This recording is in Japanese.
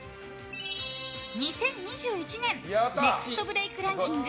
２０２１年ネクストブレイクランキング